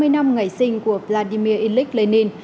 một trăm năm mươi năm ngày sinh của vladimir ilyich lenin